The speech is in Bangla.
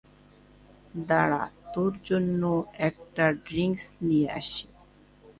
দাঁড়া, তোর জন্য একটা ড্রিংক্স নিয়ে আসি!